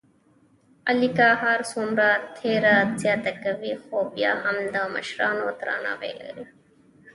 علی که هرڅومره تېره زیاته کوي، خوبیا هم د مشرانو درناوی لري.